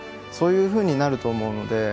そういうふうになると思うので。